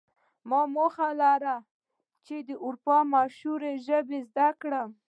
ما موخه لرله چې د اروپا مشهورې ژبې زده کړم